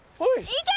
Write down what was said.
いけ！